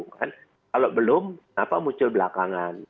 kalau belum kenapa muncul belakangan